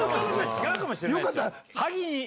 違うかもしれないですよ。